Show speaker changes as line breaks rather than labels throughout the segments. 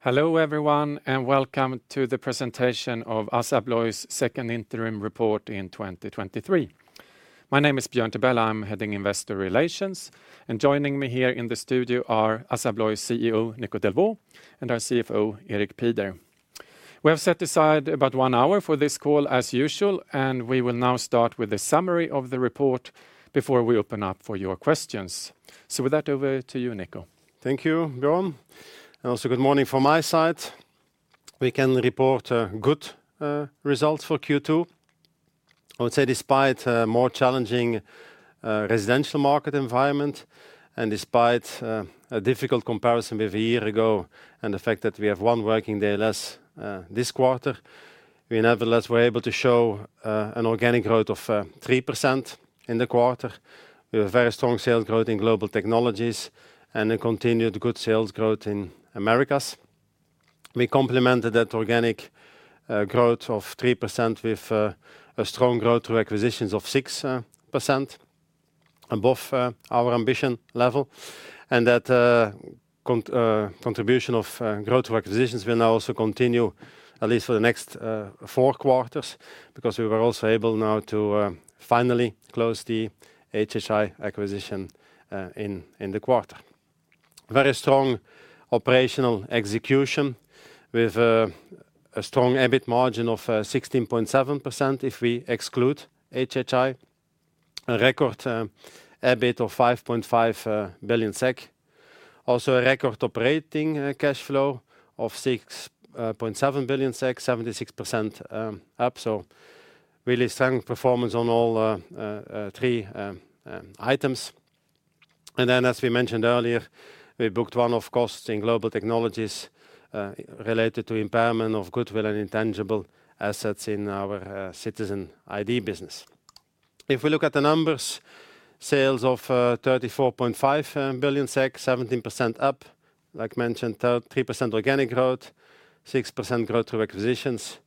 Hello, everyone, welcome to the presentation of ASSA ABLOY's second interim report in 2023. My name is Björn Tibell. I'm Heading Investor Relations, and joining me here in the studio are ASSA ABLOY CEO, Nico Delvaux, and our CFO, Erik Pieder. We have set aside about one hour for this call, as usual, and we will now start with a summary of the report before we open up for your questions. With that, over to you, Nico Delvaux.
Thank you, Björn, and also good morning from my side. We can report good results for Q2. I would say despite a more challenging residential market environment and despite a difficult comparison with a year ago and the fact that we have 1 working day less this quarter, we nevertheless were able to show an organic growth of 3% in the quarter, with very strong sales growth in Global Technologies and a continued good sales growth in Americas. We complemented that organic growth of 3% with a strong growth through acquisitions of 6% above our ambition level. That contribution of growth through acquisitions will now also continue at least for the next four quarters, because we were also able now to finally close the HHI acquisition in the quarter. Very strong operational execution with a strong EBIT margin of 16.7% if we exclude HHI. A record EBIT of 5.5 billion SEK. Also, a record operating cash flow of 6.7 billion SEK, 76% up. Really strong performance on all three items. As we mentioned earlier, we booked one-off costs in Global Technologies related to impairment of goodwill and intangible assets in our Citizen ID business. If we look at the numbers, sales of 34.5 billion SEK, 17% up. Like mentioned, 3% organic growth, 6% growth through acquisitions,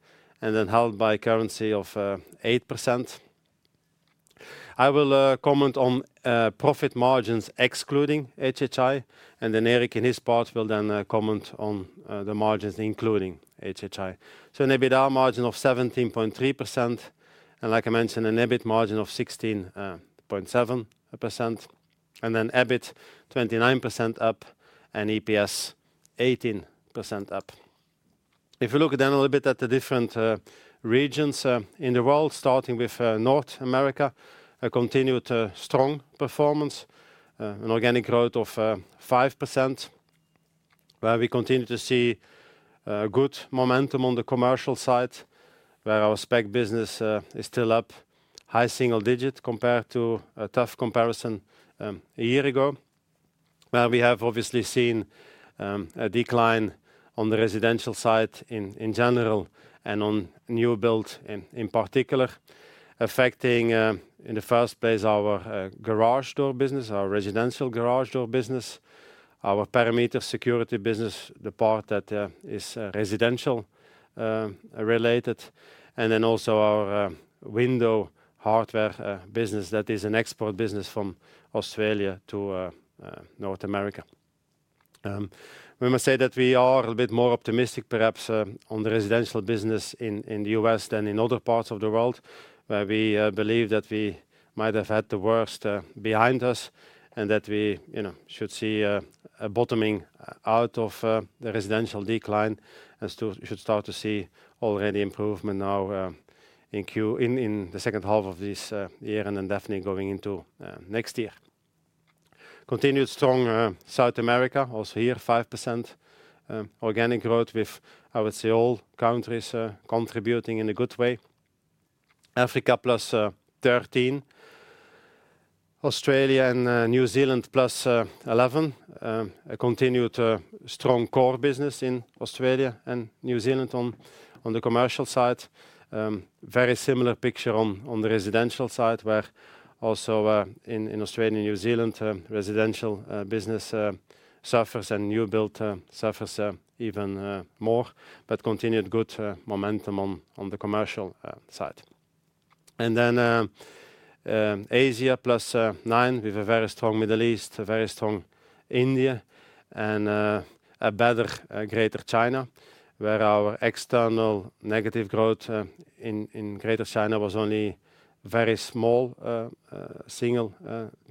and then held by currency of 8%. I will comment on profit margins excluding HHI, and then Erik, in his part, will then comment on the margins, including HHI. An EBITDA margin of 17.3%, and like I mentioned, an EBIT margin of 16.7%, and then EBIT, 29% up, and EPS, 18% up. If you look a little bit at the different regions in the world, starting with North America, a continued strong performance, an organic growth of 5%, where we continue to see good momentum on the commercial side, where our spec business is still up high single digits compared to a tough comparison a year ago. Where we have obviously seen a decline on the residential side in general and on new build in particular, affecting in the first place, our garage door business, our residential garage door business, our Perimeter Security business, the part that is residential related, and then also our window hardware business that is an export business from Australia to North America. We must say that we are a bit more optimistic, perhaps, on the residential business in the US than in other parts of the world, where we believe that we might have had the worst behind us, and that we, you know, should see a bottoming out of the residential decline and still should start to see already improvement now, in the second half of this year, and then definitely going into next year. Continued strong South America. Also here, 5% organic growth with, I would say, all countries contributing in a good way. Africa, plus 13. Australia and New Zealand, plus 11. A continued strong core business in Australia and New Zealand on the commercial side. Very similar picture on the residential side, where also in Australia and New Zealand, residential business suffers and new build suffers even more, continued good momentum on the commercial side. Asia +9%, with a very strong Middle East, a very strong India, and a better Greater China, where our external negative growth in Greater China was only very small single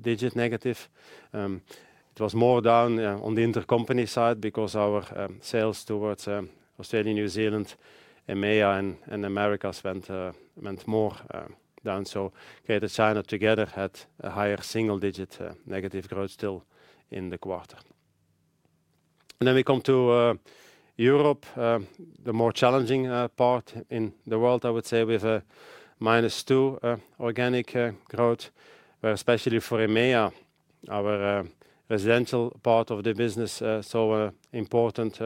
digit negative. It was more down on the intercompany side because our sales towards Australia, New Zealand, EMEIA, and Americas went more down. Greater China together had a higher single digit negative growth still in the quarter. We come to Europe, the more challenging part in the world, I would say, with a -2 organic growth, especially for EMEA, our residential part of the business, saw a important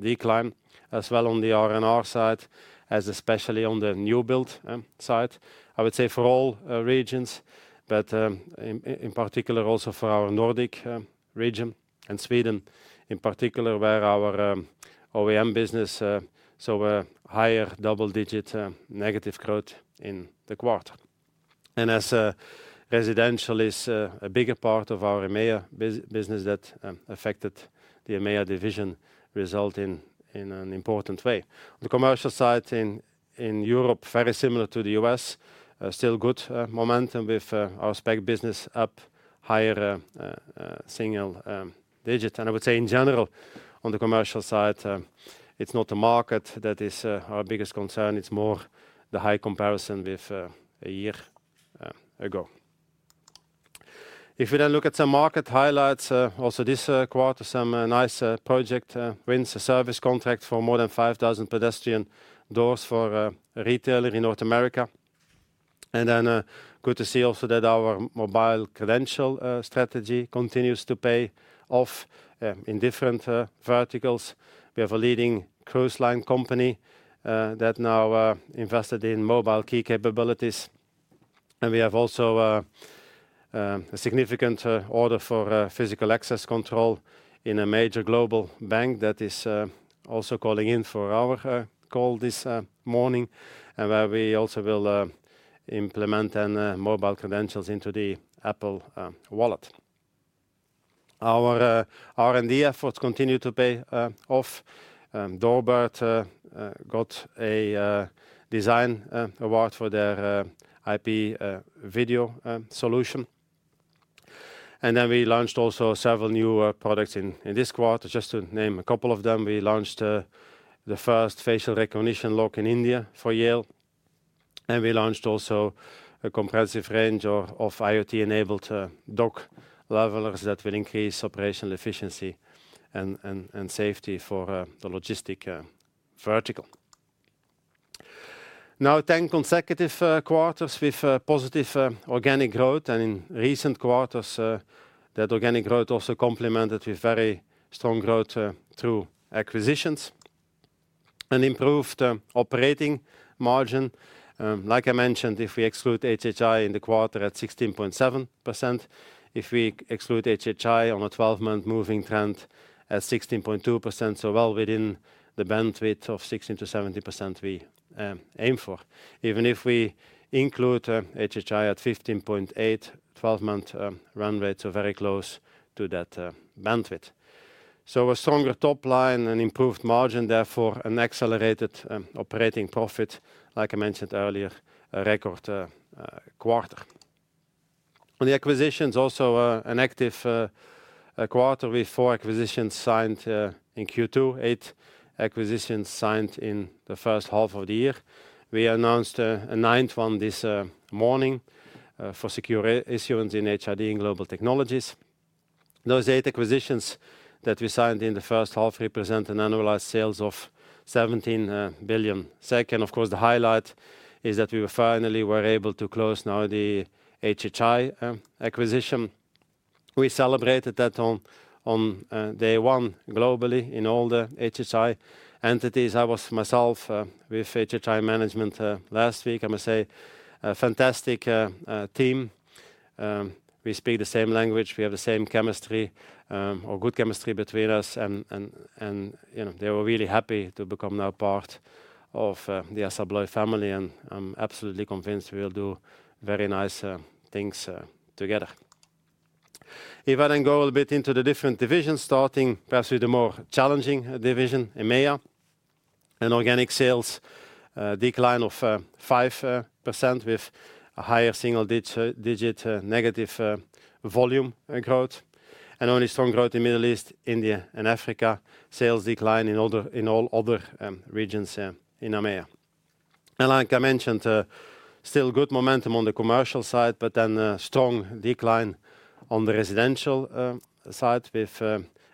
decline as well on the R&R side as especially on the new build side. I would say for all regions, in particular, also for our Nordic region and Sweden, in particular, where our OEM business saw a higher double-digit negative growth in the quarter. As residential is a bigger part of our EMEA business, that affected the EMEA division result in an important way. The commercial side in Europe, very similar to the US, still good momentum with our spec business up higher single digit. I would say in general, on the commercial side, it's not the market that is our biggest concern, it's more the high comparison with a year ago. You look at some market highlights also this quarter, some nice project wins a service contract for more than 5,000 pedestrian doors for a retailer in North America. Good to see also that our Mobile Credential strategy continues to pay off in different verticals. We have a leading cruise line company that now invested in mobile key capabilities. We have also a significant order for Physical Access Control in a major global bank that is also calling in for our call this morning, and where we also will implement then Mobile Credentials into the Apple Wallet. Our R&D efforts continue to pay off. DoorBird got a design award for their IP video solution. We launched also several new products in this quarter. Just to name a couple of them, we launched the first facial recognition lock in India for Yale, and we launched also a comprehensive range of IoT-enabled dock levelers that will increase operational efficiency and safety for the logistic vertical. Now, 10 consecutive quarters with positive organic growth, in recent quarters, that organic growth also complemented with very strong growth through acquisitions. An improved operating margin, like I mentioned, if we exclude HHI in the quarter at 16.7%, if we exclude HHI on a 12-month moving trend at 16.2%, so well within the bandwidth of 16%-70% we aim for. Even if we include HHI at 15.8%, 12-month run rates are very close to that bandwidth. A stronger top line and improved margin, therefore an accelerated operating profit, like I mentioned earlier, a record quarter. On the acquisitions, also, an active quarter, with 4 acquisitions signed in Q2, 8 acquisitions signed in the first half of the year. We announced a ninth one this morning for Secure Issuance in HID Global Technologies. Those eight acquisitions that we signed in the first half represent an annualized sales of 17 billion. Second, of course, the highlight is that we were finally able to close now the HHI acquisition. We celebrated that on day one globally in all the HHI entities. I was myself with HHI management last week. I must say, a fantastic team. We speak the same language, we have the same chemistry, or good chemistry between us, you know, they were really happy to become now part of the ASSA ABLOY family, and I'm absolutely convinced we will do very nice things together. If I then go a bit into the different divisions, starting perhaps with the more challenging division, EMEA, organic sales decline of 5%, with a higher single digit negative volume growth, and only strong growth in Middle East, India and Africa. Sales decline in all other regions in EMEA. Like I mentioned, still good momentum on the commercial side, but then a strong decline on the residential side, with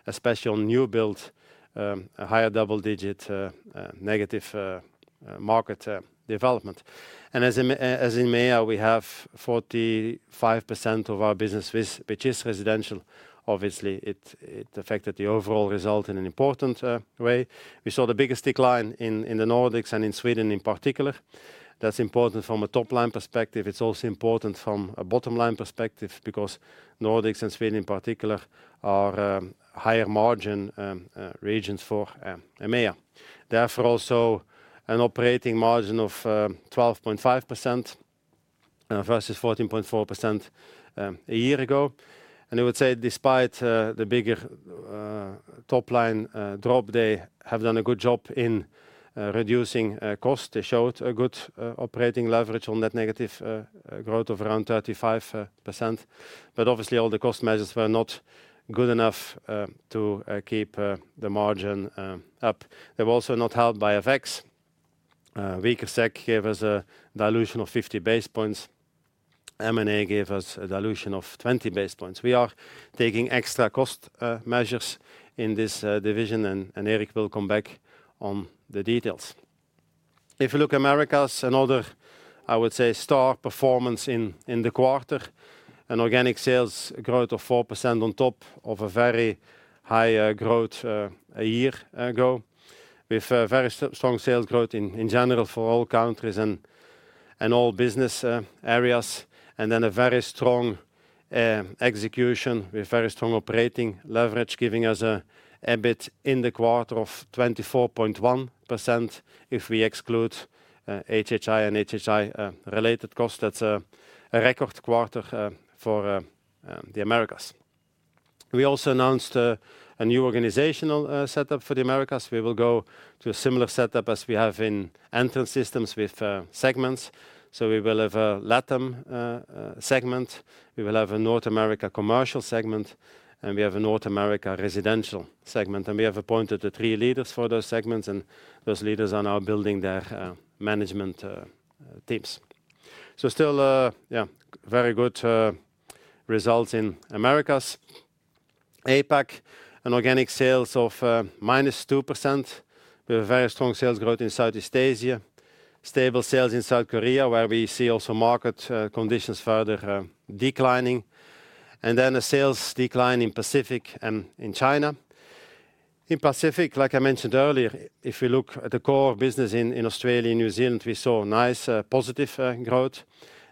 especially on new build, a higher double digit negative market development. As in EMEA, we have 45% of our business which is residential. Obviously, it affected the overall result in an important way. We saw the biggest decline in the Nordics and in Sweden in particular. That's important from a top-line perspective. It's also important from a bottom-line perspective, because Nordics and Sweden in particular are higher margin regions for EMEIA. Therefore, also an operating margin of 12.5% versus 14.4% a year ago. I would say, despite the bigger top line drop, they have done a good job in reducing cost. They showed a good operating leverage on that negative growth of around 35%. Obviously all the cost measures were not good enough to keep the margin up. They were also not helped by FX. Weaker SEK gave us a dilution of 50 basis points. M&A gave us a dilution of 20 basis points. We are taking extra cost measures in this division, and Erik will come back on the details. If you look at Americas, another, I would say, star performance in the quarter, an organic sales growth of 4% on top of a very high growth a year ago, with very strong sales growth in general for all countries and all business areas, and then a very strong execution with very strong operating leverage, giving us EBIT in the quarter of 24.1%. If we exclude HHI and HHI related costs, that's a record quarter for the Americas. We also announced a new organizational setup for the Americas. We will go to a similar setup as we have in Entrance Systems with segments. We will have a LATAM segment, we will have a North America commercial segment, and we have a North America residential segment. We have appointed the three leaders for those segments, and those leaders are now building their management teams. Still, yeah, very good results in Americas. APAC, organic sales of -2%. We have very strong sales growth in Southeast Asia. Stable sales in South Korea, where we see also market conditions further declining, and then a sales decline in Pacific and in China. In Pacific, like I mentioned earlier, if you look at the core business in Australia and New Zealand, we saw nice positive growth.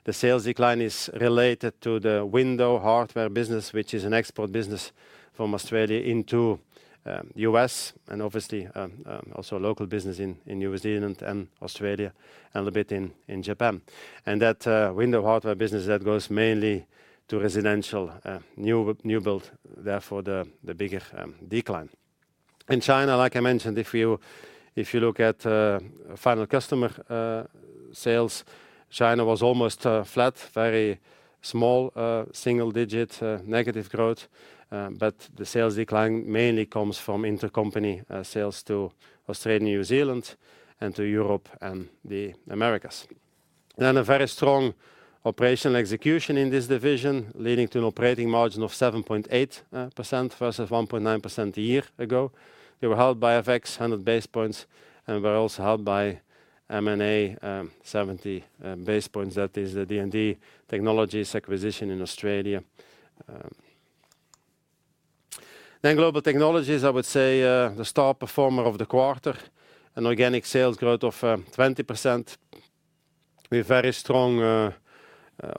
The sales decline is related to the window hardware business, which is an export business from Australia into U.S., and obviously, also local business in New Zealand and Australia, and a bit in Japan. That window hardware business, that goes mainly to residential, new build, therefore, the bigger decline. In China, like I mentioned, if you, if you look at final customer sales, China was almost flat, very small, single-digit negative growth. The sales decline mainly comes from intercompany sales to Australia, New Zealand, and to Europe, and the Americas. A very strong operational execution in this division, leading to an operating margin of 7.8% versus 1.9% a year ago. They were held by FX 100 basis points and were also held by M&A 70 basis points. That is the D&D Technologies acquisition in Australia. Global Technologies, I would say, the star performer of the quarter, an organic sales growth of 20%, with very strong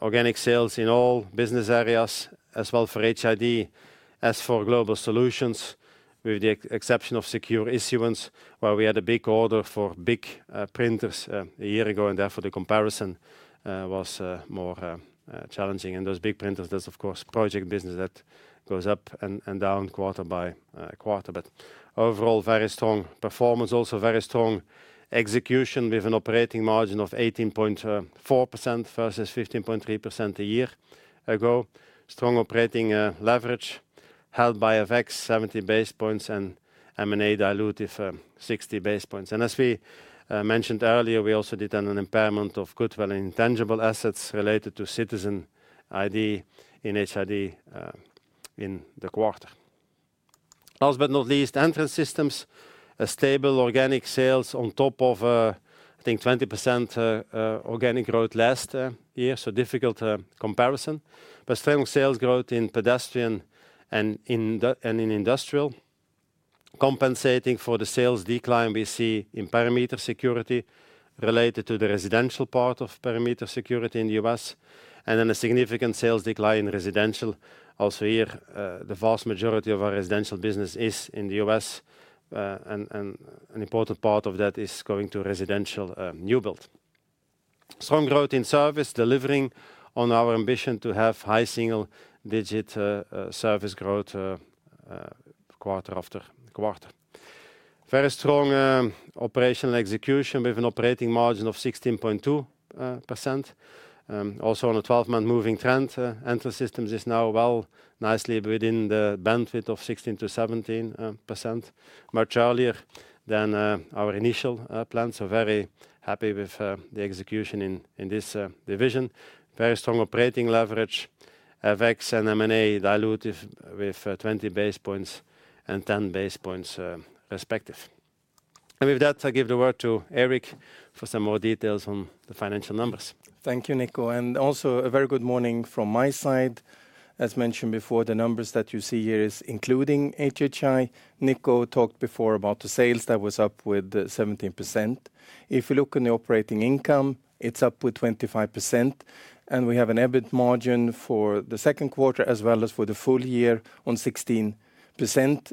organic sales in all business areas, as well for HID as for Global Solutions, with the exception of Secure Issuance, where we had a big order for big printers a year ago, and therefore the comparison was more challenging. Those big printers, there's of course, project business that goes up and down quarter by quarter. Overall, very strong performance. Also, very strong execution with an operating margin of 18.4% versus 15.3% a year ago. Strong operating leverage, held by FX 70 basis points and M&A dilutive, 60 basis points. As we mentioned earlier, we also did an impairment of goodwill intangible assets related to Citizen ID in HID in the quarter. Last but not least, Entrance Systems. A stable organic sales on top of, I think 20% organic growth last year, so difficult comparison. Strong sales growth in pedestrian and in industrial, compensating for the sales decline we see in Perimeter Security related to the residential part of Perimeter Security in the U.S., and then a significant sales decline in residential. Also here, the vast majority of our residential business is in the U.S., and an important part of that is going to residential new build. Strong growth in service, delivering on our ambition to have high single-digit service growth quarter after quarter. Very strong operational execution with an operating margin of 16.2%. Also on a 12-month moving trend, Entrance Systems is now well nicely within the bandwidth of 16%-17%, much earlier than our initial plans. Very happy with the execution in this division. Very strong operating leverage, FX and M&A dilutive with 20 basis points and 10 basis points respective. With that, I give the word to Eric for some more details on the financial numbers.
Thank you, Nico, and also a very good morning from my side. As mentioned before, the numbers that you see here is including HHI. Nico talked before about the sales that was up with 17%. If you look on the operating income, it's up with 25%, and we have an EBIT margin for the second quarter, as well as for the full year on 16%,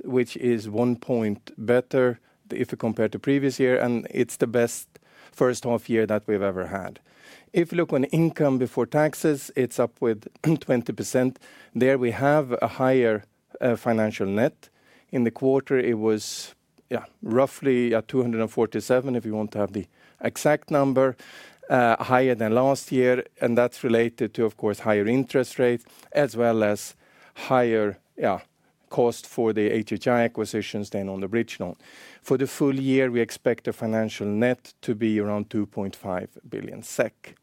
which is 1 point better if you compare to previous year, and it's the best first half year that we've ever had. If you look on income before taxes, it's up with 20%. There we have a higher financial net. In the quarter, it was, yeah, roughly at 247, if you want to have the exact number, higher than last year, and that's related to, of course, higher interest rate, as well as higher, yeah, cost for the HHI acquisitions than on the original. For the full year, we expect the financial net to be around 2.5 billion SEK.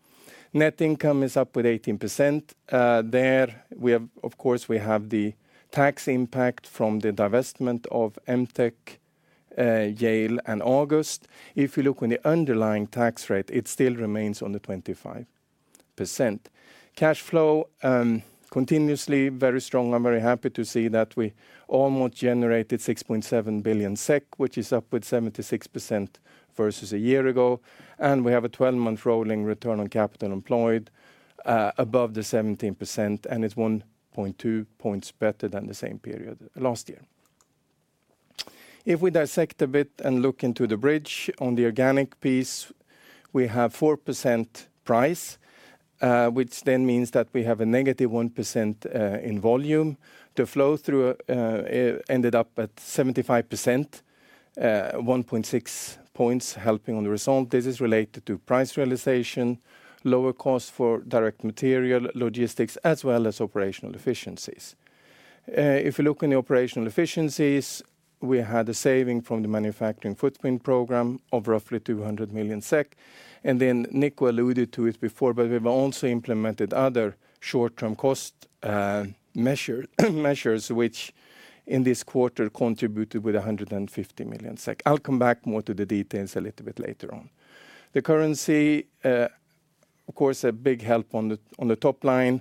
Net income is up with 18%. There we have... Of course, we have the tax impact from the divestment of Emtek, Yale and August. If you look on the underlying tax rate, it still remains on the 25%. Cashflow, continuously very strong. I'm very happy to see that we almost generated 6.7 billion SEK, which is up with 76% versus a year ago, and we have a 12-month rolling return on capital employed above the 17%, and it's 1.2 points better than the same period last year. If we dissect a bit and look into the bridge on the organic piece, we have 4% price, which then means that we have a negative 1% in volume. The flow through ended up at 75%, 1.6 points helping on the result. This is related to price realization, lower cost for direct material, logistics, as well as operational efficiencies. If you look in the operational efficiencies, we had a saving from the Manufacturing Footprint Program of roughly 200 million SEK, and then Nico alluded to it before, but we've also implemented other short-term cost measures, which in this quarter contributed with 150 million SEK. I'll come back more to the details a little bit later on. The currency, of course, a big help on the top line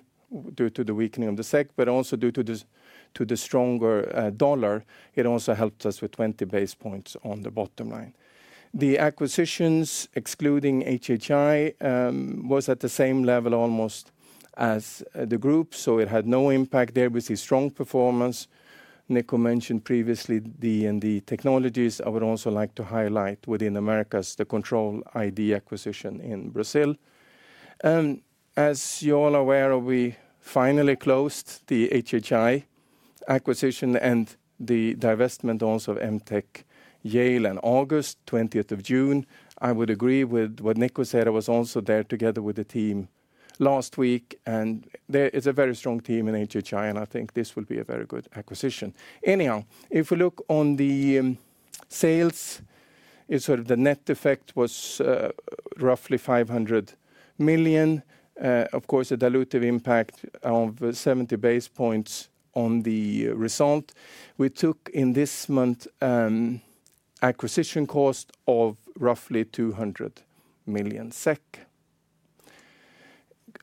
due to the weakening of the SEK, but also due to the stronger dollar. It also helped us with 20 basis points on the bottom line. The acquisitions, excluding HHI, was at the same level almost as the group, so it had no impact there. We see strong performance. Nico mentioned previously the D&D Technologies. I would also like to highlight within Americas, the Control iD acquisition in Brazil. As you're all aware, we finally closed the HHI acquisition and the divestment also of Emtek, Yale and August, 20th of June. I would agree with what Nico said. I was also there together with the team last week, there is a very strong team in HHI, and I think this will be a very good acquisition. If we look on the sales, it's sort of the net effect was roughly 500 million. Of course, a dilutive impact of 70 basis points on the result. We took in this month acquisition cost of roughly 200 million SEK.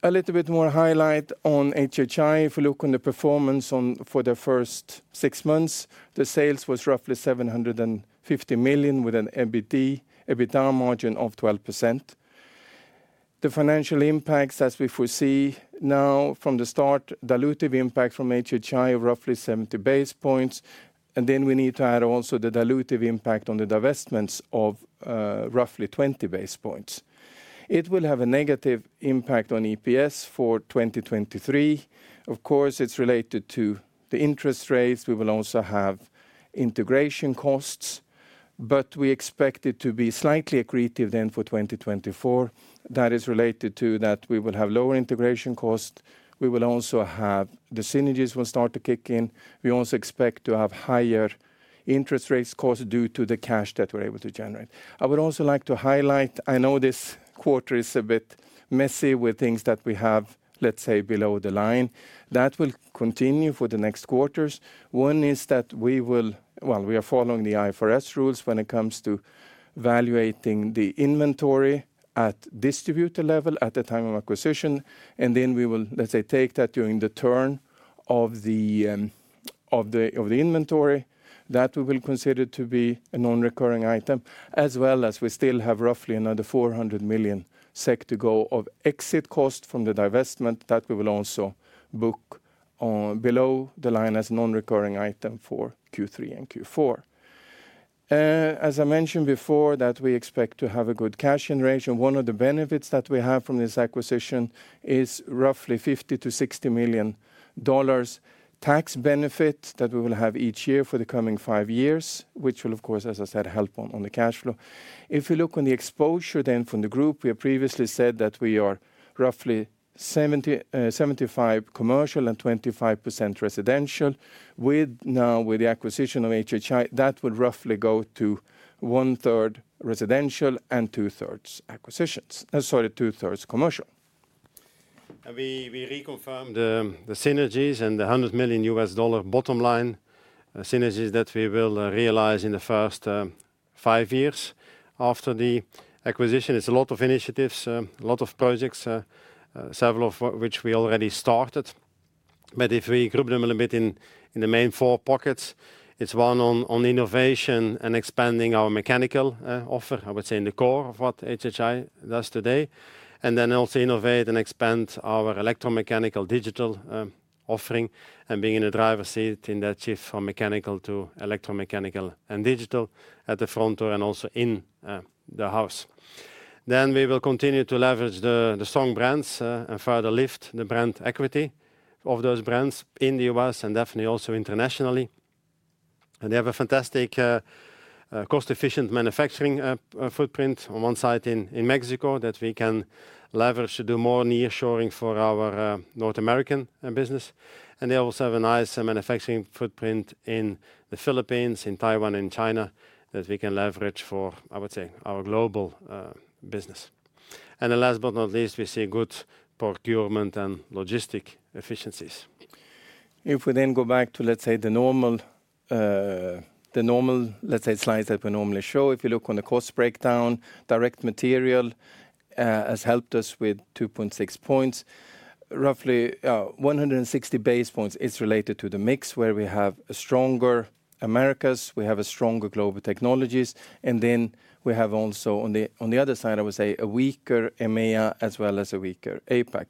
A little bit more highlight on HHI. If we look on the performance for the first six months, the sales was roughly 750 million, with an EBITDA margin of 12%. The financial impacts, as we foresee now from the start, dilutive impact from HHI of roughly 70 basis points, we need to add also the dilutive impact on the divestments of roughly 20 basis points. It will have a negative impact on EPS for 2023. Of course, it's related to the interest rates. We will also have integration costs, we expect it to be slightly accretive then for 2024. That is related to that we will have lower integration costs. The synergies will start to kick in. We also expect to have higher interest rates costs due to the cash that we're able to generate. I would also like to highlight, I know this quarter is a bit messy with things that we have, let's say, below the line. That will continue for the next quarters. One is that we are following the IFRS rules when it comes to valuating the inventory at distributor level, at the time of acquisition, and then we will, let's say, take that during the turn of the of the of the inventory. That we will consider to be a non-recurring item, as well as we still have roughly another 400 million SEK to go of exit cost from the divestment, that we will also book on below the line as a non-recurring item for Q3 and Q4. As I mentioned before, that we expect to have a good cash generation. One of the benefits that we have from this acquisition is roughly $50 million-$60 million tax benefit that we will have each year for the coming five years, which will, of course, as I said, help on the cash flow. You look on the exposure then from the group, we have previously said that we are roughly 70%-75% commercial and 25% residential. With the acquisition of HHI, that would roughly go to 1/3 residential and 2/3 acquisitions. Sorry, 2/3 commercial.
We reconfirmed the synergies and the $100 million bottom line synergies that we will realize in the first five years after the acquisition. It's a lot of initiatives, a lot of projects, several of which we already started. If we group them a little bit in the main four pockets, it's one on innovation and expanding our mechanical offer, I would say, in the core of what HHI does today, and then also innovate and expand our electromechanical digital offering, and being in a driver's seat in that shift from mechanical to electromechanical and digital at the front door and also in the house. We will continue to leverage the strong brands and further lift the brand equity of those brands in the US and definitely also internationally. They have a fantastic, cost-efficient manufacturing footprint on one site in Mexico that we can leverage to do more nearshoring for our North American business. They also have a nice manufacturing footprint in the Philippines, in Taiwan, and China that we can leverage for, I would say, our global business. The last but not least, we see good procurement and logistic efficiencies.
If we go back to the normal slides that we normally show, if you look on the cost breakdown, direct material has helped us with 2.6 points. Roughly, 160 base points is related to the mix, where we have a stronger Americas, we have a stronger Global Technologies, we have also on the other side, I would say, a weaker EMEA, as well as a weaker APAC.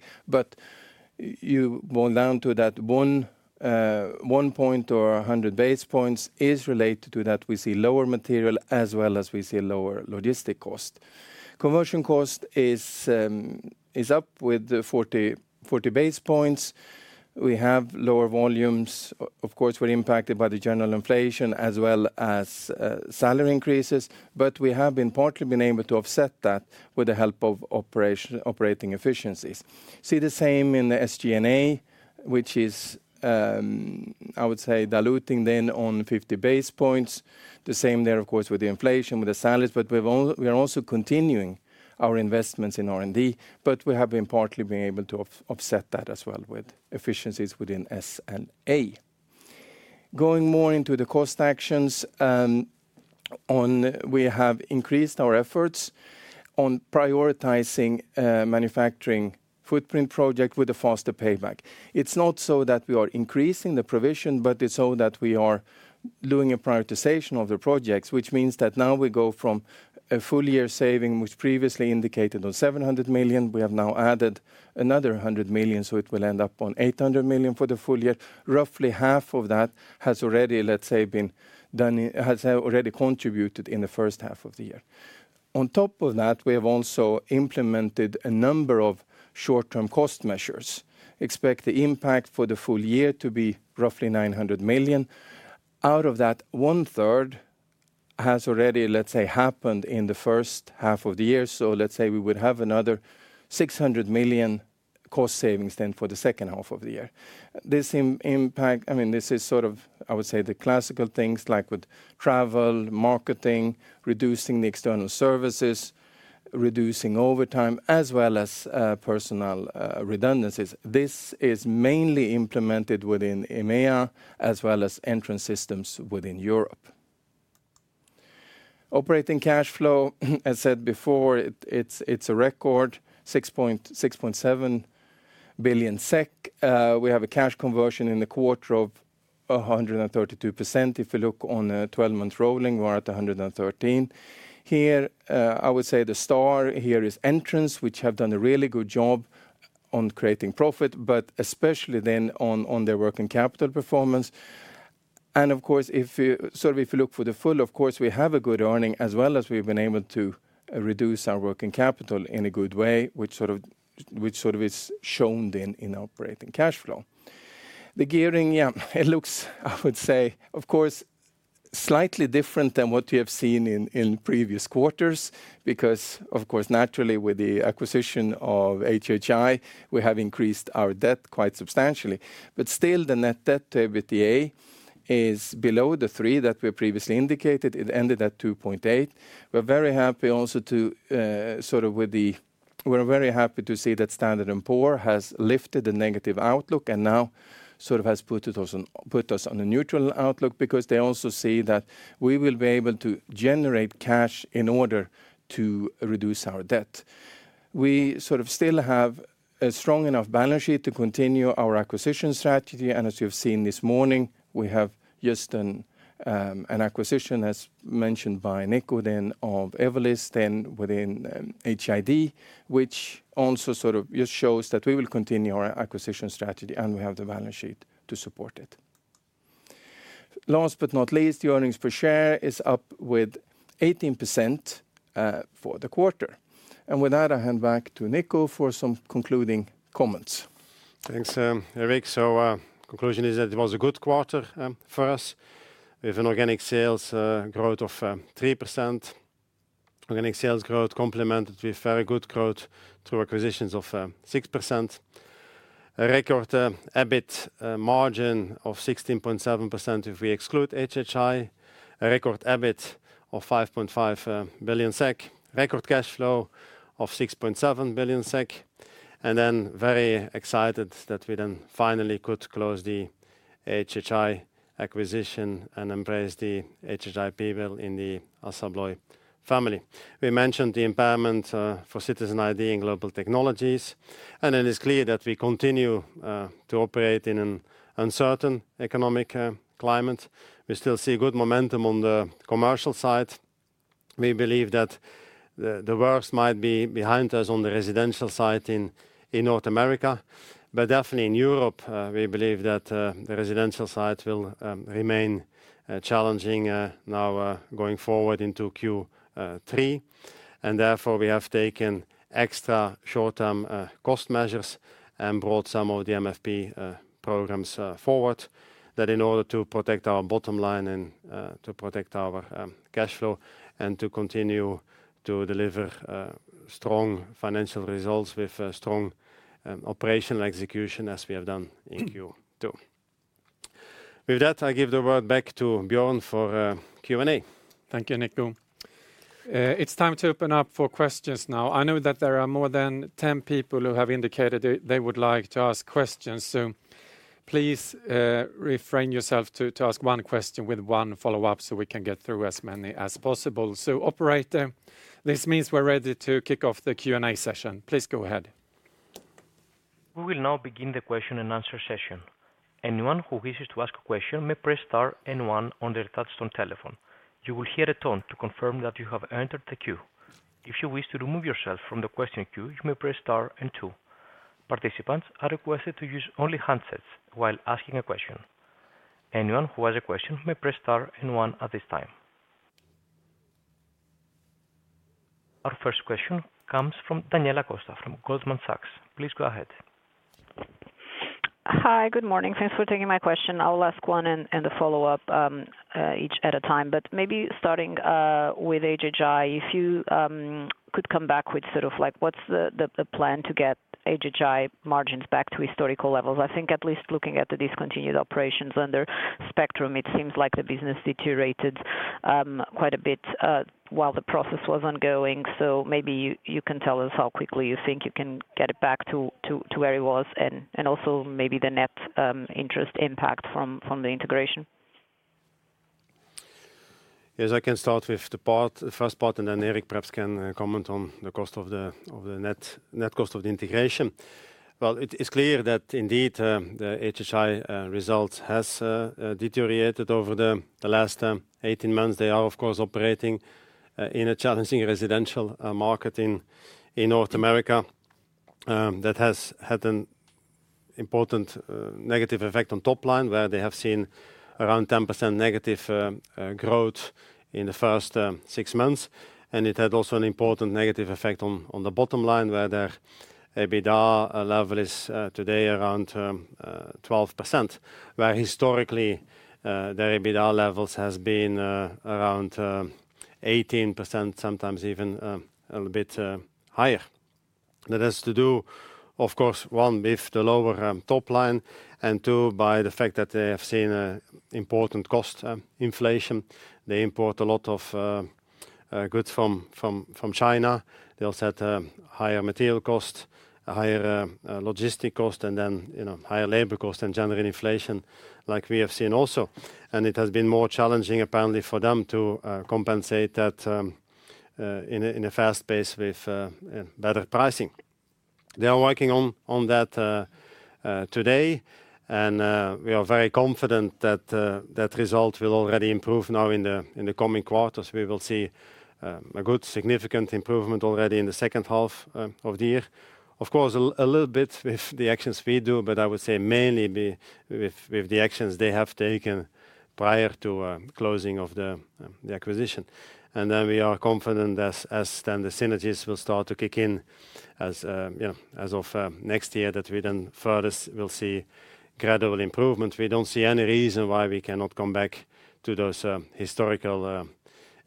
You boil down to that 1 point or 100 base points is related to that. We see lower material as well as we see lower logistic cost. Conversion cost is up with 40 base points. We have lower volumes. Of course, we're impacted by the general inflation as well as salary increases, but we have been partly been able to offset that with the help of operating efficiencies. See the same in the SG&A, which is, I would say, diluting then on 50 basis points. The same there, of course, with the inflation, with the salaries, but we are also continuing our investments in R&D, but we have been partly been able to offset that as well, with efficiencies within SG&A. Going more into the cost actions, We have increased our efforts on prioritizing Manufacturing Footprint project with a faster payback. It's not so that we are increasing the provision. It's so that we are doing a prioritization of the projects, which means that now we go from a full year saving, which previously indicated on 700 million. We have now added another 100 million, so it will end up on 800 million for the full year. Roughly half of that has already, let's say, been done, it has already contributed in the first half of the year. On top of that, we have also implemented a number of short-term cost measures. Expect the impact for the full year to be roughly 900 million. Out of that, one third has already, let's say, happened in the first half of the year. Let's say we would have another 600 million cost savings then for the second half of the year. This impact, I mean, this is sort of, I would say, the classical things like with travel, marketing, reducing the external services, reducing overtime, as well as personal redundancies. This is mainly implemented within EMEIA, as well as Entrance Systems within Europe. Operating cash flow, as said before, it's a record 6.7 billion SEK. We have a cash conversion in the quarter of 132%. If you look on a 12-month rolling, we're at 113%. Here, I would say the star here is Entrance, which have done a really good job on creating profit, but especially then on their working capital performance. Of course, if you sort of if you look for the full, of course, we have a good earning, as well as we've been able to reduce our working capital in a good way, which sort of is shown then in operating cash flow. The gearing, yeah, it looks, I would say, of course, slightly different than what we have seen in previous quarters. Of course, naturally, with the acquisition of HHI, we have increased our debt quite substantially. Still, the net debt with the A is below the 3 that we previously indicated. It ended at 2.8. We're very happy also to see that Standard & Poor's has lifted the negative outlook, and now sort of has put us on a neutral outlook, because they also see that we will be able to generate cash in order to reduce our debt. We sort of still have a strong enough balance sheet to continue our acquisition strategy, and as you have seen this morning, we have just an acquisition, as mentioned by Nico then, of Evolis, then within HID, which also sort of just shows that we will continue our acquisition strategy, and we have the balance sheet to support it. Last but not least, the earnings per share is up with 18%, for the quarter. With that, I hand back to Nico for some concluding comments.
Thanks, Erik. Conclusion is that it was a good quarter for us. We have an organic sales growth of 3%. Organic sales growth complemented with very good growth through acquisitions of 6%. A record EBIT margin of 16.7% if we exclude HHI. A record EBIT of 5.5 billion SEK. Record cash flow of 6.7 billion SEK. Very excited that we then finally could close the HHI acquisition and embrace the HHI people in the Assa Abloy family. We mentioned the impairment for Citizen ID and Global Technologies, and it is clear that we continue to operate in an uncertain economic climate. We still see good momentum on the commercial side. We believe that the worst might be behind us on the residential side in North America, but definitely in Europe, we believe that the residential side will remain challenging now going forward into Q3. Therefore, we have taken extra short-term cost measures and brought some of the MFP programs forward, that in order to protect our bottom line and to protect our cash flow, and to continue to deliver strong financial results with a strong operational execution, as we have done in Q2. With that, I give the word back to Björn for Q&A.
Thank you, Nico. It's time to open up for questions now. I know that there are more than 10 people who have indicated they would like to ask questions, so please refrain yourself to ask one question with one follow-up, so we can get through as many as possible. Operator, this means we're ready to kick off the Q&A session. Please go ahead.
We will now begin the question and answer session. Anyone who wishes to ask a question may press star and one on their touch-tone telephone. You will hear a tone to confirm that you have entered the queue. If you wish to remove yourself from the question queue, you may press star and two. Participants are requested to use only handsets while asking a question. Anyone who has a question may press star and one at this time. Our first question comes from Daniela Costa from Goldman Sachs. Please go ahead.
Hi, good morning. Thanks for taking my question. I'll ask one and a follow-up each at a time. Maybe starting with HHI, if you could come back with sort of like, what's the plan to get HHI margins back to historical levels? I think at least looking at the discontinued operations under Spectrum, it seems like the business deteriorated quite a bit while the process was ongoing. Maybe you can tell us how quickly you think you can get it back to where it was, and also maybe the net interest impact from the integration.
Yes, I can start with the part, the first part, and then Eric perhaps can comment on the cost of the net cost of the integration. Well, it is clear that indeed, the HHI result has deteriorated over the last 18 months. They are, of course, operating in a challenging residential market in North America. That has had an important negative effect on top line, where they have seen around 10% negative growth in the first 6 months. It had also an important negative effect on the bottom line, where their EBITDA level is today around 12%, where historically their EBITDA levels has been around 18%, sometimes even a little bit higher. That has to do, of course, one, with the lower top line, and two, by the fact that they have seen a important cost inflation. They import a lot of goods from China. They also had higher material cost, a higher logistic cost, and then, you know, higher labor cost and general inflation, like we have seen also. It has been more challenging, apparently, for them to compensate that in a fast pace with better pricing. They are working on that today, and we are very confident that that result will already improve now in the coming quarters. We will see a good significant improvement already in the second half of the year. Of course, a little bit with the actions we do, but I would say mainly with the actions they have taken prior to closing of the acquisition. We are confident as then the synergies will start to kick in, as you know, as of next year, that we then furthest will see gradual improvement. We don't see any reason why we cannot come back to those historical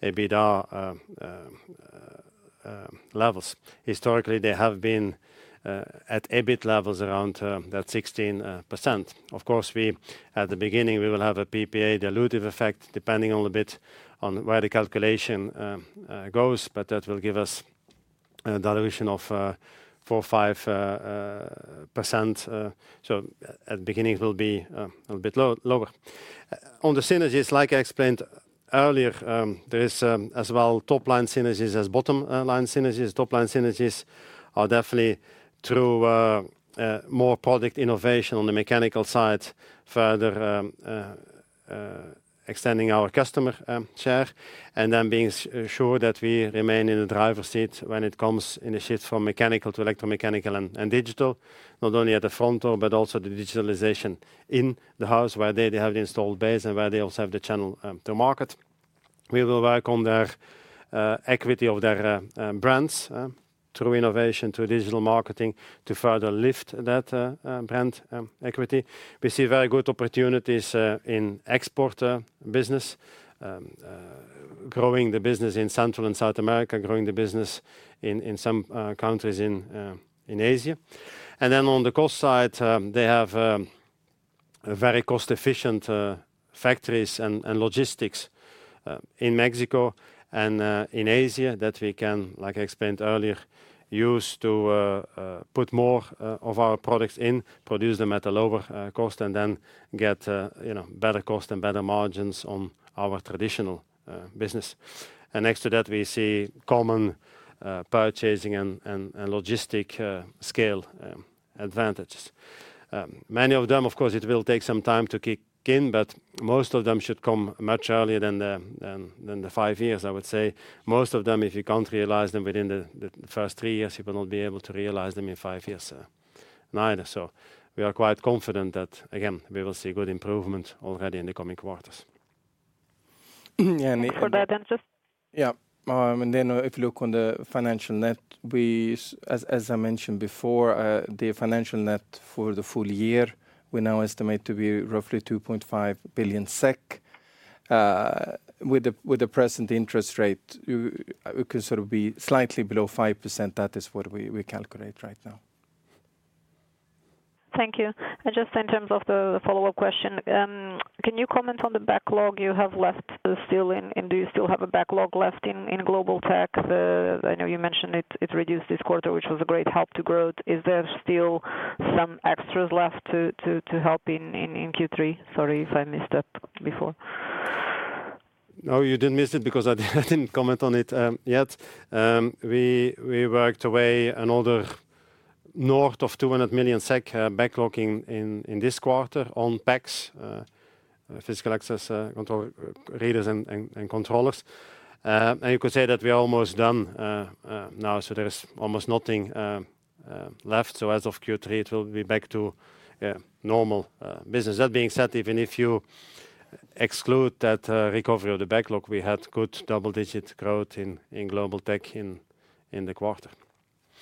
EBITDA levels. Historically, they have been at EBIT levels around that 16%. Of course, at the beginning, we will have a PPA dilutive effect, depending on a bit on where the calculation goes, but that will give us a dilution of 4%-5%. At the beginning, it will be a bit lower. On the synergies, like I explained earlier, there is as well, top line synergies as bottom line synergies. Top line synergies are definitely through more product innovation on the mechanical side, further extending our customer share, and then being sure that we remain in the driver's seat when it comes in the shift from mechanical to electromechanical and digital. Not only at the front door, but also the digitalization in the house, where they have the installed base and where they also have the channel to market. We will work on their equity of their brands through innovation, through digital marketing, to further lift that brand equity. We see very good opportunities in export business, growing the business in Central and South America, growing the business in some countries in Asia. On the cost side, they have a very cost-efficient factories and logistics in Mexico and in Asia, that we can, like I explained earlier, use to put more of our products in, produce them at a lower cost, and then get, you know, better cost and better margins on our traditional business. Next to that, we see common purchasing and logistic scale advantages. Many of them, of course, it will take some time to kick in, but most of them should come much earlier than the five years, I would say. Most of them, if you can't realize them within the first 3 years, you will not be able to realize them in 5 years, neither. We are quite confident that, again, we will see good improvement already in the coming quarters.
And-
For that answer?
Yeah. If you look on the financial net, we as I mentioned before, the financial net for the full year, we now estimate to be roughly 2.5 billion SEK. With the present interest rate, it could sort of be slightly below 5%. That is what we calculate right now.
Thank you. Just in terms of the follow-up question, can you comment on the backlog you have left still, and do you still have a backlog left in Global Tech? I know you mentioned it reduced this quarter, which was a great help to growth. Is there still some extras left to help in Q3? Sorry if I missed that before.
No, you didn't miss it because I didn't comment on it yet. We worked away another north of 200 million SEK backlogging in this quarter on PACS, Physical Access Control Readers and Controllers. You could say that we are almost done now. There is almost nothing left. As of Q3, it will be back to normal business. That being said, even if you exclude that recovery of the backlog, we had good double-digit growth in Global Tech in the quarter.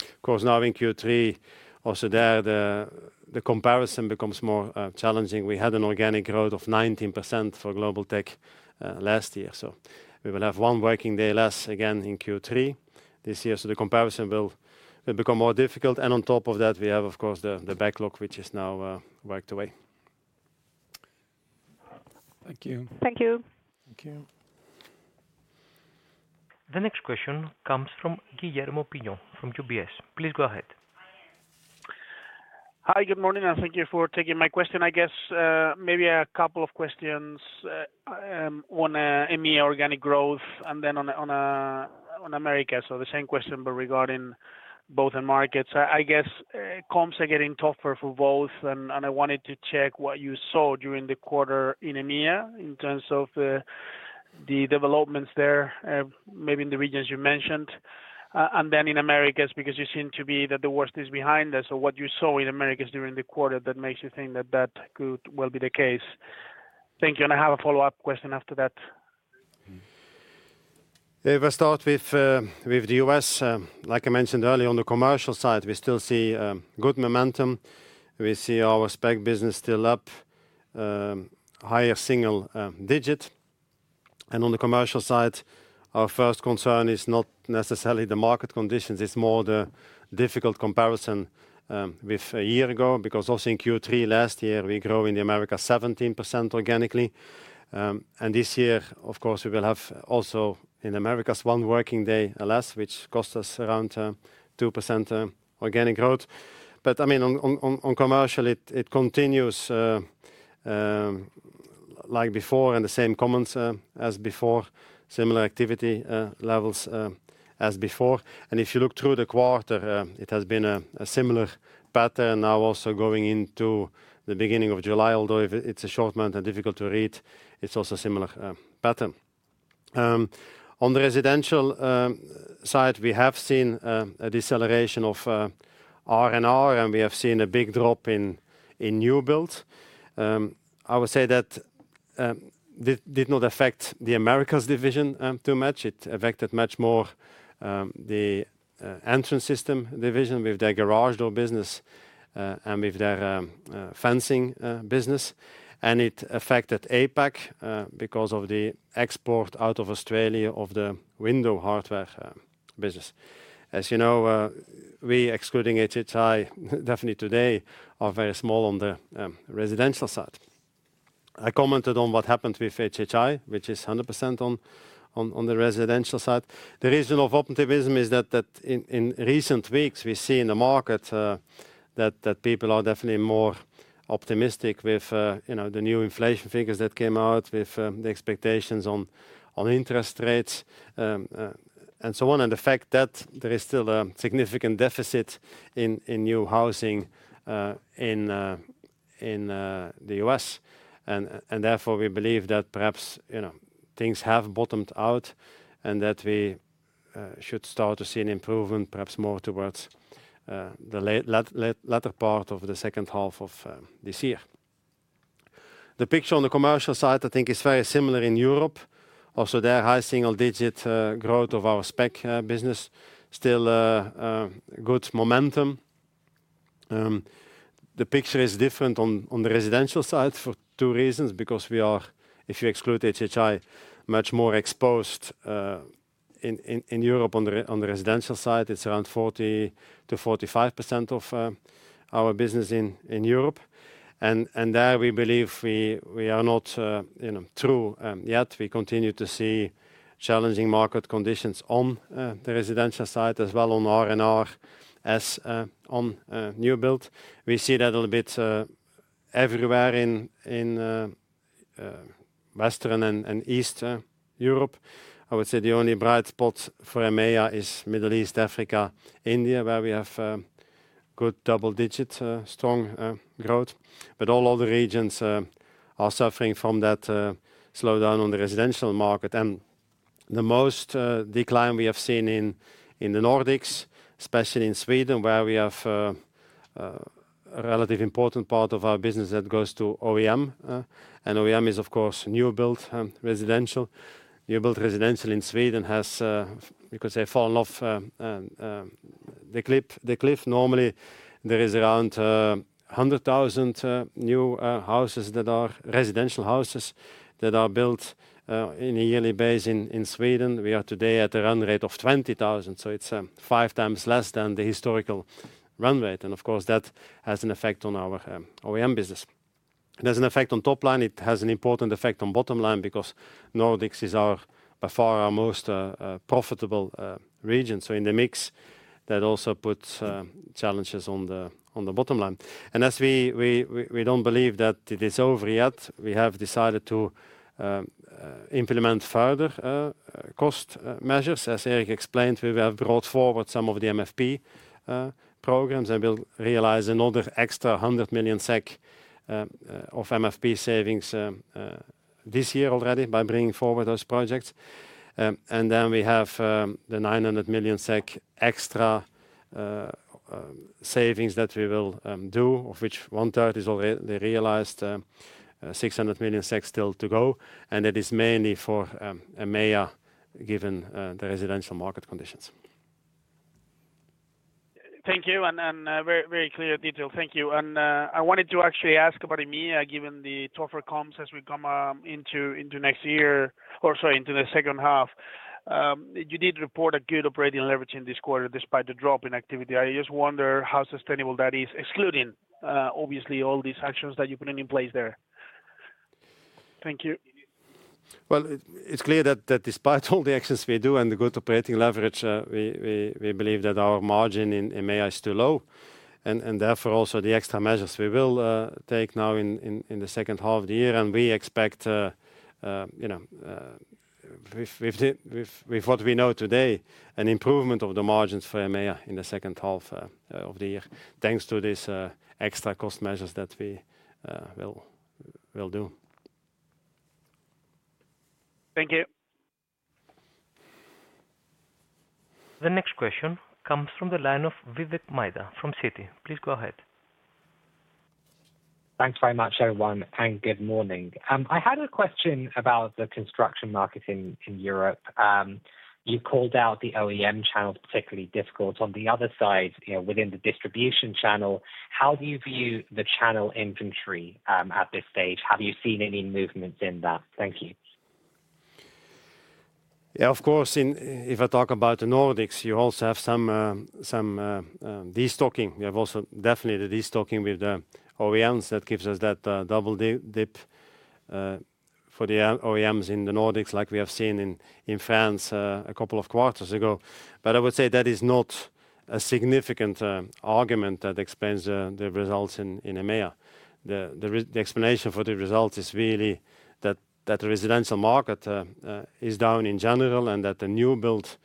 Of course, now in Q3, also there the comparison becomes more challenging. We had an organic growth of 19% for Global Tech, last year. We will have 1 working day less again in Q3 this year, so the comparison will become more difficult. On top of that, we have, of course, the backlog, which is now, worked away.
Thank you.
Thank you.
Thank you.
The next question comes from Guillermo Eiben from UBS. Please go ahead.
Hi, good morning, and thank you for taking my question. I guess, maybe a couple of questions on EMEIA organic growth and then on Americas. The same question, but regarding both the markets. I guess, comps are getting tougher for both, and I wanted to check what you saw during the quarter in EMEIA, in terms of the developments there, maybe in the regions you mentioned. Then in Americas, because you seem to be that the worst is behind us, so what you saw in Americas during the quarter that makes you think that that could well be the case? Thank you. I have a follow-up question after that.
If I start with the U.S., like I mentioned earlier, on the commercial side, we still see good momentum. We see our spec business still up, higher single digit. On the commercial side, our first concern is not necessarily the market conditions, it's more the difficult comparison with a year ago, because also in Q3 last year, we grew in the Americas 17% organically. This year, of course, we will have also in Americas, one working day less, which cost us around 2% organic growth. I mean, on commercial, it continues like before and the same comments as before. Similar activity levels as before. If you look through the quarter, it has been a similar pattern now also going into the beginning of July, although if it's a short month and difficult to read, it's also a similar pattern. On the residential side, we have seen a deceleration of R&R, and we have seen a big drop in new build. I would say that it did not affect the Americas division too much. It affected much more the Entrance Systems division with their garage door business and with their fencing business. It affected APAC because of the export out of Australia of the window hardware business. As you know, we excluding HHI, definitely today, are very small on the residential side. I commented on what happened with HHI, which is 100% on the residential side. The reason of optimism is that in recent weeks, we see in the market that people are definitely more optimistic with, you know, the new inflation figures that came out, with the expectations on interest rates and so on. The fact that there is still a significant deficit in new housing in the U.S. Therefore, we believe that perhaps, you know, things have bottomed out and that we should start to see an improvement, perhaps more towards the latter part of the second half of this year. The picture on the commercial side, I think, is very similar in Europe. Their high single-digit growth of our spec business still good momentum. The picture is different on the residential side for two reasons, because we are, if you exclude HHI, much more exposed in Europe on the residential side, it's around 40%-45% of our business in Europe. There we believe we are not, you know, through yet. We continue to see challenging market conditions on the residential side, as well on R&R, as on new build. We see that a little bit everywhere in Western and East Europe. I would say the only bright spot for EMEIA is Middle East, Africa, India, where we have good double-digit strong growth. All other regions are suffering from that slowdown on the residential market. The most decline we have seen in the Nordics, especially in Sweden, where we have a relative important part of our business that goes to OEM, and OEM is, of course, new build and residential. New build residential in Sweden has, you could say, fallen off the cliff. Normally, there is around 100,000 new houses that are residential houses, that are built in a yearly basis in Sweden. We are today at a run rate of 20,000, so it's 5 times less than the historical run rate. Of course, that has an effect on our OEM business. It has an effect on top line. It has an important effect on bottom line, because Nordics is our, by far, our most profitable region. In the mix, that also puts challenges on the bottom line. As we don't believe that it is over yet, we have decided to implement further cost measures. As Erik explained, we have brought forward some of the MFP programs, and we'll realize another extra 100 million SEK of MFP savings this year already by bringing forward those projects. Then we have the 900 million SEK extra savings that we will do, of which one third is already realized, 600 million still to go, and it is mainly for EMEIA, given the residential market conditions.
Thank you, and, very clear detail. Thank you. I wanted to actually ask about EMEIA, given the tougher comps as we come into next year or, sorry, into the second half. You did report a good operating leverage in this quarter, despite the drop in activity. I just wonder how sustainable that is, excluding, obviously all these actions that you're putting in place there. Thank you.
Well, it's clear that despite all the actions we do and the good operating leverage, we believe that our margin in EMEIA is too low, and therefore, also the extra measures we will take now in the second half of the year. We expect, you know, with what we know today, an improvement of the margins for EMEIA in the second half of the year, thanks to this extra cost measures that we will do.
Thank you.
The next question comes from the line of Vivek Midha from Citi. Please go ahead.
Thanks very much, everyone, and good morning. I had a question about the construction market in Europe. You called out the OEM channel, particularly difficult. On the other side, you know, within the distribution channel, how do you view the channel inventory, at this stage? Have you seen any movements in that? Thank you.
Yeah, of course, if I talk about the Nordics, you also have some destocking. We have also definitely the destocking with the OEMs that gives us that double dip for the OEMs in the Nordics, like we have seen in France a couple of quarters ago. I would say that is not a significant argument that explains the results in EMEIA. The explanation for the result is really that residential market is down in general, and that the new build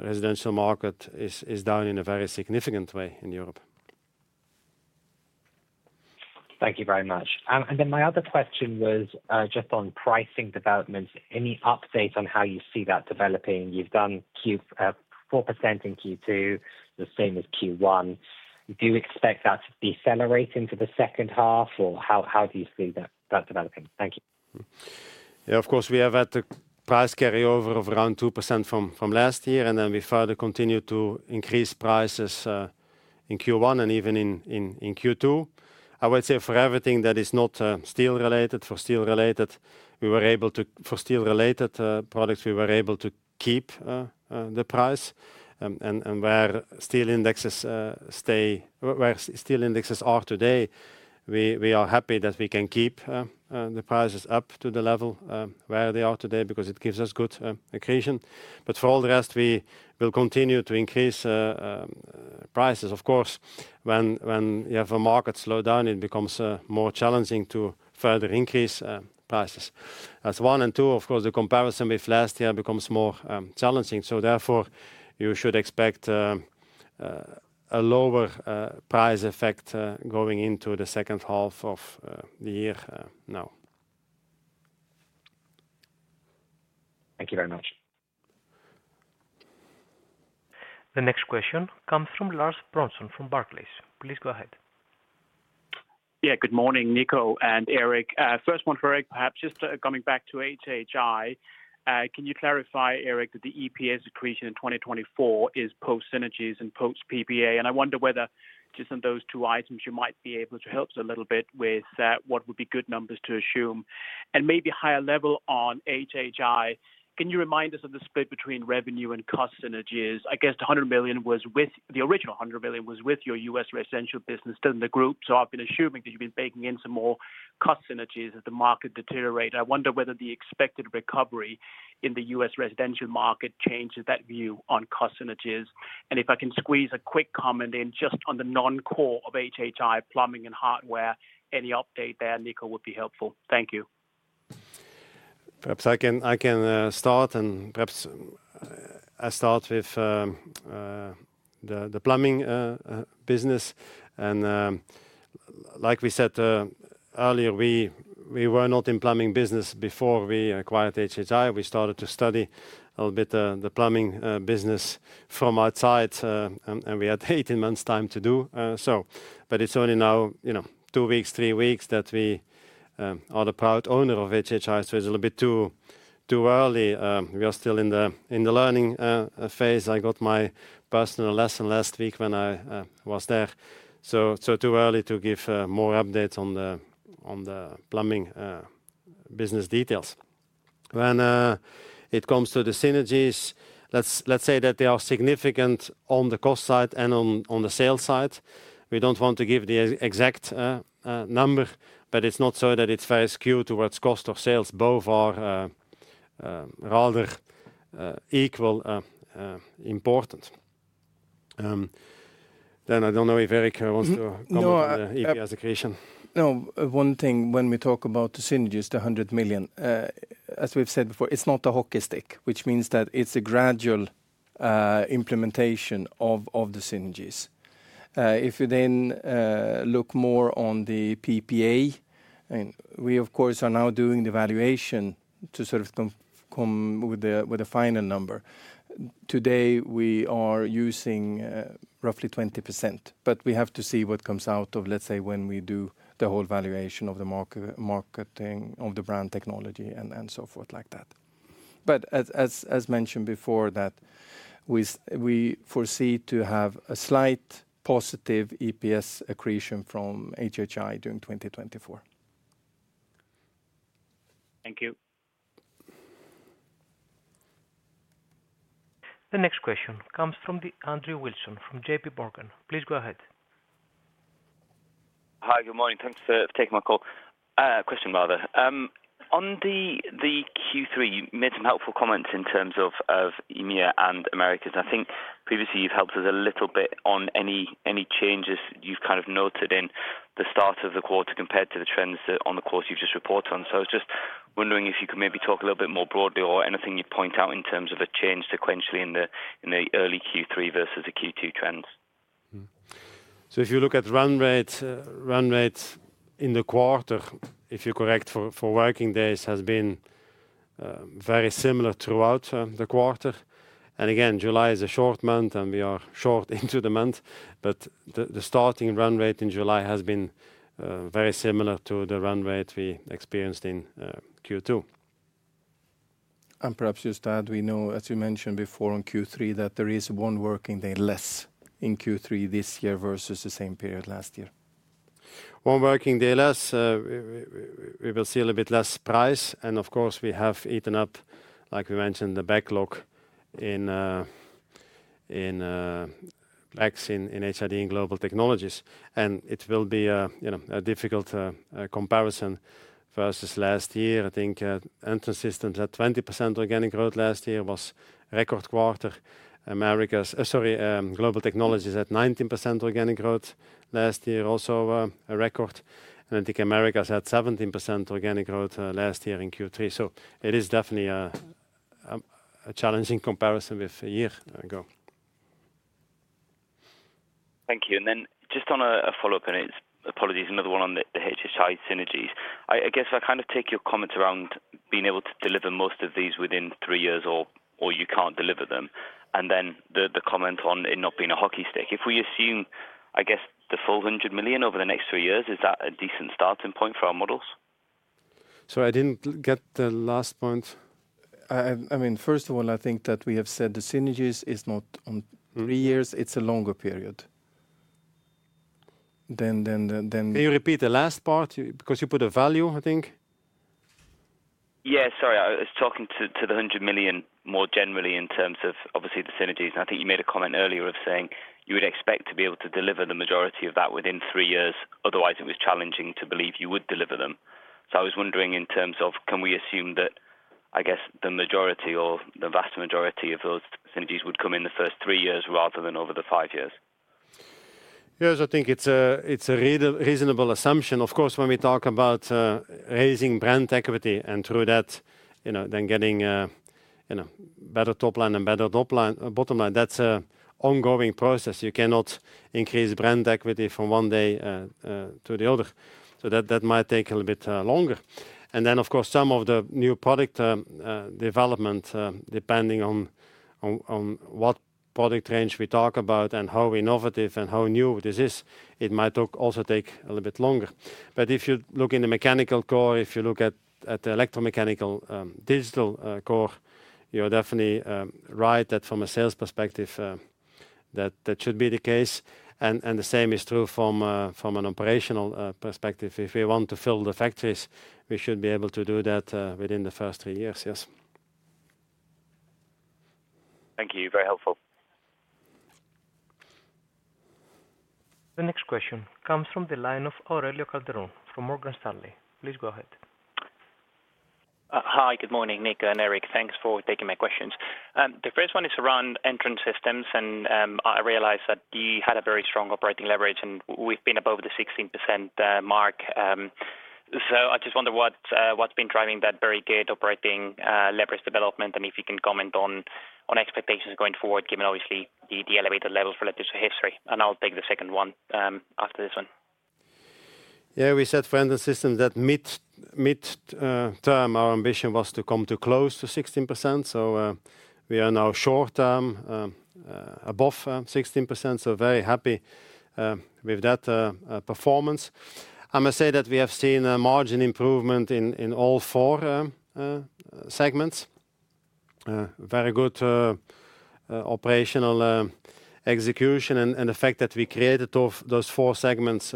residential market is down in a very significant way in Europe.
Thank you very much. Then my other question was just on pricing developments. Any update on how you see that developing? You've done 4% in Q2, the same as Q1. Do you expect that to be accelerating for the second half, or how do you see that developing? Thank you.
Yeah, of course, we have had a price carryover of around 2% from last year, then we further continue to increase prices in Q1 and even in Q2. I would say for everything that is not steel-related, for steel-related products, we were able to keep the price. Where steel indexes stay, where steel indexes are today, we are happy that we can keep the prices up to the level where they are today, because it gives us good occasion. For all the rest, we will continue to increase prices. Of course, when you have a market slowdown, it becomes more challenging to further increase prices. As one and two, of course, the comparison with last year becomes more challenging. Therefore, you should expect a lower price effect going into the second half of the year now.
Thank you very much.
The next question comes from Lars Brorson, from Barclays. Please go ahead.
Good morning, Nico and Erik. First one for Erik, perhaps just coming back to HHI. Can you clarify, Erik, that the EPS accretion in 2024 is post synergies and post PPA? I wonder whether just on those two items, you might be able to help us a little bit with what would be good numbers to assume. Maybe higher level on HHI, can you remind us of the split between revenue and cost synergies? I guess the $100 million was with the original $100 million was with your U.S. residential business, still in the group. I've been assuming that you've been baking in some more cost synergies as the market deteriorate. I wonder whether the expected recovery in the U.S. residential market changes that view on cost synergies. If I can squeeze a quick comment in, just on the non-core of HHI, plumbing and hardware, any update there, Nico, would be helpful. Thank you.
Perhaps I can start, and perhaps I start with the plumbing business. Like we said earlier, we were not in plumbing business before we acquired HHI. We started to study a little bit the plumbing business from outside, and we had 18 months time to do so. It's only now, you know, two weeks, three weeks, that we are the proud owner of HHI, so it's a little bit too early. We are still in the learning phase. I got my personal lesson last week when I was there. So too early to give more updates on the plumbing business details. When it comes to the synergies, let's say that they are significant on the cost side and on the sales side. We don't want to give the exact number, but it's not so that it's very skewed towards cost of sales. Both are rather equal important. I don't know if Erik wants to.
No.
comment on the EPS accretion.
No, one thing when we talk about the synergies, the 100 million, as we've said before, it's not a hockey stick, which means that it's a gradual implementation of the synergies. If you then look more on the PPA, and we of course, are now doing the valuation to sort of come with a final number. Today, we are using roughly 20%, but we have to see what comes out of, let's say, when we do the whole valuation of the marketing, of the brand technology and so forth like that. As mentioned before that we foresee to have a slight positive EPS accretion from HHI during 2024.
Thank you.
The next question comes from the Andrew Wilson from JPMorgan. Please go ahead.
Hi, good morning. Thanks for taking my call, question rather. On the Q3, you made some helpful comments in terms of EMEIA and Americas. I think previously you've helped us a little bit on any changes you've kind of noted in the start of the quarter compared to the trends that on the course you've just reported on. I was just wondering if you could maybe talk a little bit more broadly or anything you'd point out in terms of a change sequentially in the early Q3 versus the Q2 trends.
If you look at run rate, run rate in the quarter, if you correct for working days, has been very similar throughout the quarter. July is a short month, and we are short into the month, but the starting run rate in July has been very similar to the run rate we experienced in Q2.
Perhaps just add, we know, as you mentioned before, on Q3, that there is one working day less in Q3 this year versus the same period last year.
One working day less, we will see a little bit less price. Of course, we have eaten up, like we mentioned, the backlog in HID, in Global Technologies. It will be a, you know, a difficult comparison versus last year. I think, Entrance Systems had 20% organic growth last year, was record quarter. Global Technologies had 19% organic growth last year, also a record. I think Americas had 17% organic growth last year in Q3. It is definitely a challenging comparison with a year ago.
Thank you. Then just on a follow-up, and it's... Apologies, another one on the HHI synergies. I guess I kind of take your comments around being able to deliver most of these within 3 years or you can't deliver them, and then the comment on it not being a hockey stick. If we assume, I guess, the full $100 million over the next 3 years, is that a decent starting point for our models?
Sorry, I didn't get the last point.
I mean, first of all, I think that we have said the synergies is not on 3 years.
Mm-hmm.
It's a longer period.
Can you repeat the last part? Because you put a value, I think.
Yeah, sorry. I was talking to the 100 million more generally in terms of obviously the synergies. I think you made a comment earlier of saying you would expect to be able to deliver the majority of that within 3 years, otherwise it was challenging to believe you would deliver them. I was wondering in terms of, can we assume that, I guess, the majority or the vast majority of those synergies would come in the first 3 years rather than over the 5 years?
Yes, I think it's a reasonable assumption. Of course, when we talk about, raising brand equity and through that, you know, then getting, you know, better top line and better top line, bottom line, that's an ongoing process. You cannot increase brand equity from one day to the other. That might take a little bit longer. Of course, some of the new product development, depending on what product range we talk about and how innovative and how new this is, it might also take a little bit longer. If you look in the mechanical core, if you look at the electromechanical, digital core, you're definitely right, that from a sales perspective, that should be the case. The same is true from an operational perspective. If we want to fill the factories, we should be able to do that within the first three years. Yes.
Thank you. Very helpful.
The next question comes from the line of Aurelio Calderon from Morgan Stanley. Please go ahead.
Hi, good morning, Nico and Erik. Thanks for taking my questions. The first one is around Entrance Systems, I realize that you had a very strong operating leverage, we've been above the 16% mark. I just wonder what's been driving that very good operating leverage development, and if you can comment on expectations going forward, given obviously the elevated levels relative to history? I'll take the second one after this one.
Yeah, we said for the system that mid, term, our ambition was to come to close to 16%. We are now short-term, above 16%, so very happy with that performance. I must say that we have seen a margin improvement in all 4 segments. Very good operational execution, and the fact that we created of those 4 segments,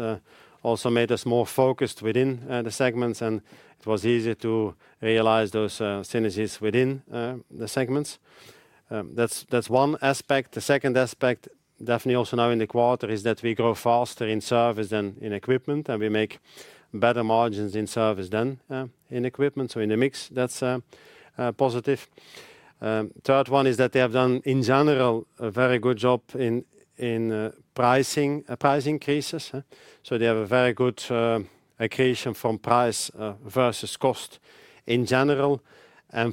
also made us more focused within the segments, and it was easier to realize those synergies within the segments. That's, that's one aspect. The second aspect, definitely also now in the quarter, is that we grow faster in service than in equipment, and we make better margins in service than in equipment. In the mix, that's positive. Third one is that they have done, in general, a very good job in pricing price increases. They have a very good occasion from price versus cost in general.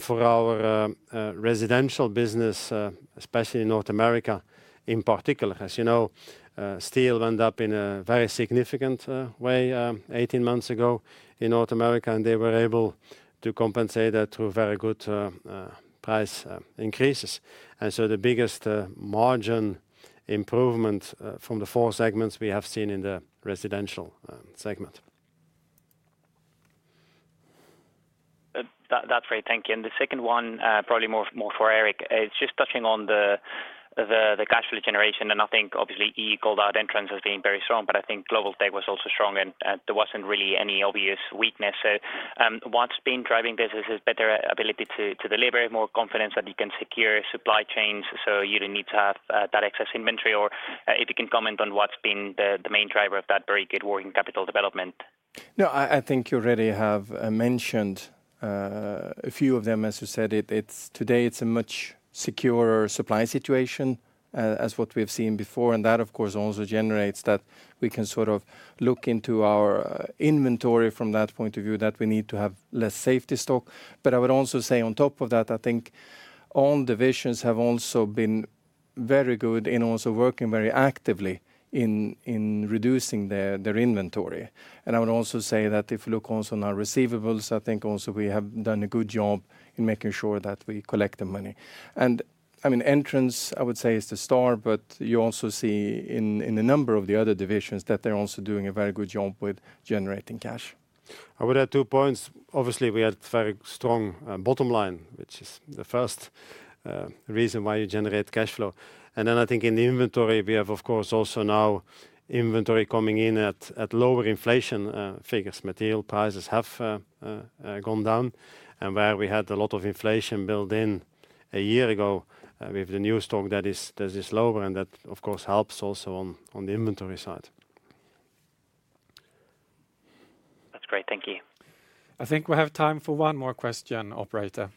For our residential business, especially in North America in particular, as you know, steel went up in a very significant way 18 months ago in North America, they were able to compensate that through very good price increases. The biggest margin improvement from the four segments we have seen in the residential segment.
That's great. Thank you. The second one, probably more for Erik. It's just touching on the cash flow generation, and I think obviously he called out Entrance as being very strong, but I think Global Tech was also strong, and there wasn't really any obvious weakness. What's been driving business's better ability to deliver more confidence that you can secure supply chains, so you don't need to have that excess inventory? Or, if you can comment on what's been the main driver of that very good working capital development.
I think you already have mentioned a few of them. As you said, it's today it's a much securer supply situation as what we've seen before, and that, of course, also generates that we can sort of look into our inventory from that point of view, that we need to have less safety stock. I would also say on top of that, I think all divisions have also been very good in also working very actively in reducing their inventory. I would also say that if you look also on our receivables, I think also we have done a good job in making sure that we collect the money. I mean, Entrance, I would say, is the star, but you also see in a number of the other divisions that they're also doing a very good job with generating cash.
I would add two points. Obviously, we had very strong bottom line, which is the first reason why you generate cash flow. Then I think in the inventory, we have, of course, also now inventory coming in at lower inflation figures. Material prices have gone down. Where we had a lot of inflation built in a year ago, with the new stock that is lower, that, of course, helps also on the inventory side.
That's great. Thank you.
I think we have time for one more question, operator.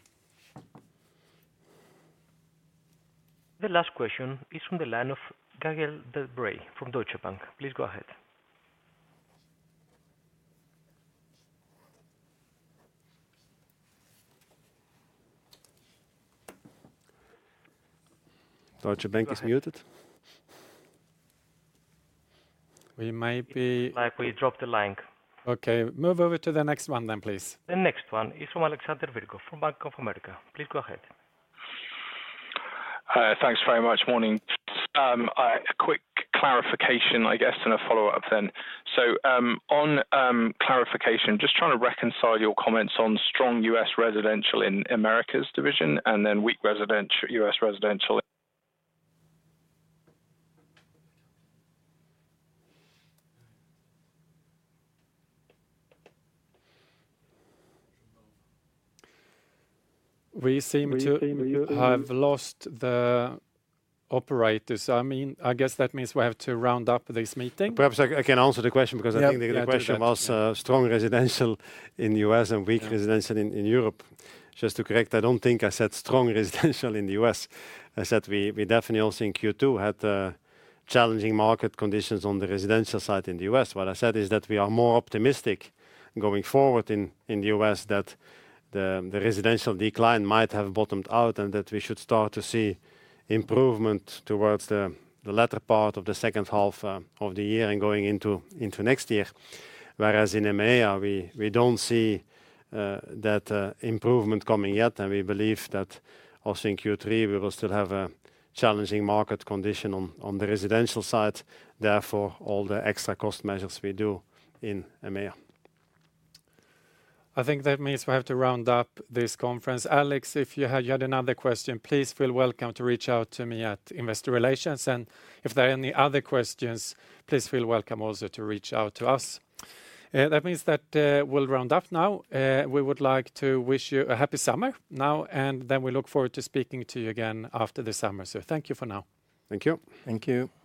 The last question is from the line of Gaël de Bray from Deutsche Bank. Please go ahead.
Deutsche Bank is muted.
We might be-
Like we dropped the line.
Okay, move over to the next one then, please.
The next one is from Alexander Virgo from Bank of America. Please go ahead.
Thanks very much. Morning. A quick clarification, I guess, and a follow-up then. On, clarification, just trying to reconcile your comments on strong U.S. residential in Americas division and then weak U.S. residential.
We seem to have lost the operator. I mean, I guess that means we have to round up this meeting.
Perhaps I can answer the question because I think the question was strong residential in U.S. and weak residential in Europe. Just to correct, I don't think I said strong residential in the U.S. I said, we definitely also in Q2 had challenging market conditions on the residential side in the U.S. What I said is that we are more optimistic going forward in the U.S., that the residential decline might have bottomed out, and that we should start to see improvement towards the latter part of the second half of the year and going into next year. Whereas in EMEIA, we don't see, that improvement coming yet, and we believe that also in Q3, we will still have a challenging market condition on the residential side, therefore, all the extra cost measures we do in EMEIA.
I think that means we have to round up this conference. Alex, if you had yet another question, please feel welcome to reach out to me at Investor Relations. If there are any other questions, please feel welcome also to reach out to us. That means that we'll round up now. We would like to wish you a happy summer now. We look forward to speaking to you again after the summer. Thank you for now.
Thank you.
Thank you.